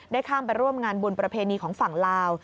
ข้ามไปร่วมงานบุญประเพณีของฝั่งลาว